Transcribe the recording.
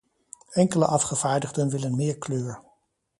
Enkele afgevaardigden willen meer kleur.